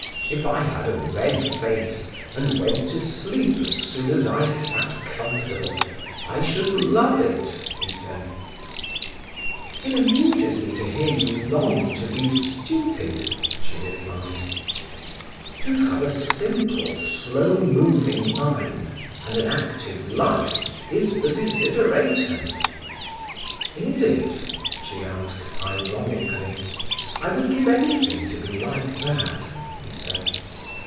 "If I had a red face, and went to sleep as soon as I sat comfortable, I should love it,"he said. "It amuses me to hear you long to be stupid," she replied. "To have a simple, slow moving mind and an active life is the desideratum." "Is it?" she asked ironically. "I would give anything to be like that," he said.